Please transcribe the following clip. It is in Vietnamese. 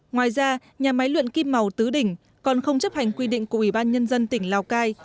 ngoài ra nhà máy luyện kim màu tứ đỉnh còn không chấp hành quy định của ủy ban nhân dân tỉnh lào cai